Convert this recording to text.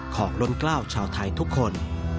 ของล้นกล้าวชาวไทยทุกคน